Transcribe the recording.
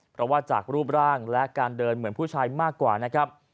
เพราะว่าจากรูปร่างและการเดินเหมือนผู้ชายมากกว่านะครับ